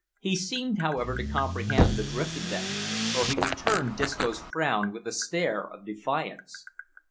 He seemed, however, to comprehend the drift of them, for he returned Disco's frown with a stare of defiance.